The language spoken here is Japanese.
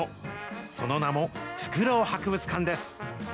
その名もフクロウ博物館です。